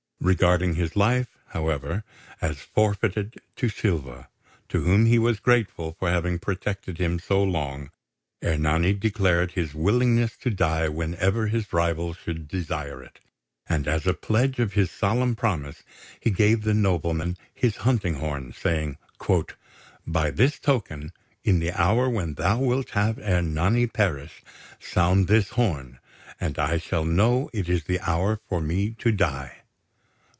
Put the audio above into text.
Regarding his life, however, as forfeited to Silva, to whom he was grateful for having protected him so long, Ernani declared his willingness to die whenever his rival should desire it; and as a pledge of his solemn promise, he gave the nobleman his hunting horn, saying, "By this token, in the hour when thou wilt have Ernani perish, sound this horn, and I shall know it is the hour for me to die!"